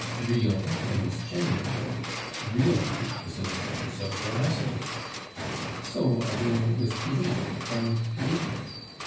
/Real/ means genuine; /really/ is an assurance of veracity. So, again, with /late/ and /lately